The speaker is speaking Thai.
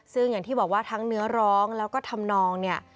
ซึ่งอย่างที่บอกว่าทั้งเนื้อร้องแล้วก็ทำนองเนี่ย